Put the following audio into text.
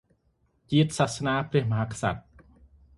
ជាតិ សសនា ព្រះមហាក្សត្រ